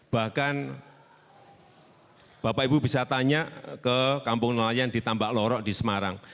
bahkan bapak ibu bisa tanya ke kampung nelayan di tambak lorok di semarang